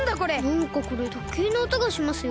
なんかこれとけいのおとがしますよ？